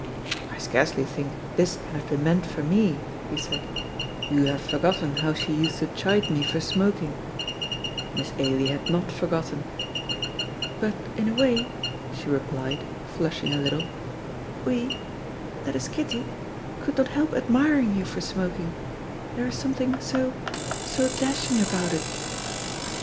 "I scarcely think this can have been meant for me," he said; "you have forgotten how she used to chide me for smoking." Miss Ailie had not forgotten. "But in a way," she replied, flushing a little, "we that is, Kitty could not help admiring you for smoking. There is something so so dashing about it."